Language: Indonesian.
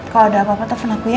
kalo ada apa apa telfon aku ya